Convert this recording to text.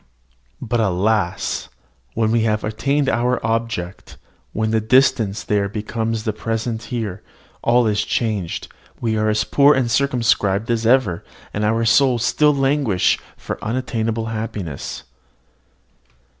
But alas! when we have attained our object, when the distant there becomes the present here, all is changed: we are as poor and circumscribed as ever, and our souls still languish for unattainable happiness.